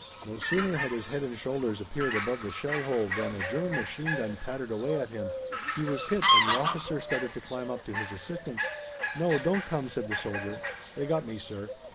No sooner had his head and shoulders appeared above the shell hole than a German machine gun pattered away at him. He was hit and the officer started to climb up to his assistance. "No, don't come," said the soldier. "They got me, sir."